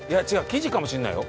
生地かもしれないよ